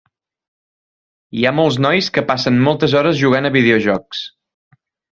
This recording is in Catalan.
Hi ha molts nois que passen moltes hores jugant a videojocs.